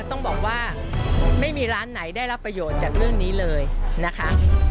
ต้องบอกว่าไม่มีร้านไหนได้รับประโยชน์จากเรื่องนี้เลยนะคะ